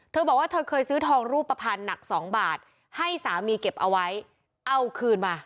เธอบอกว่าเธอเคยซื้อทองรูปภัณฑ์หนัก๒บาทให้สามีเก็บเอาไว้เอาคืนมา